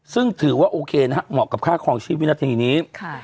ซึ่งถือว่าโอเคนะฮะเหมาะกับค่าคลองชีพวินาทีนี้